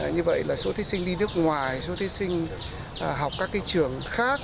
như vậy là số thí sinh đi nước ngoài số thí sinh học các trường khác